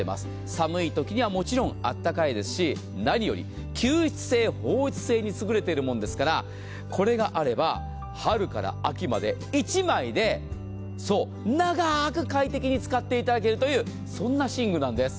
寒いときにはもちろん、あったかいですし何より吸湿性・放湿性に優れているもんですからこれがあれば春から秋まで１枚で長く快適に使っていただけるという寝具なんです。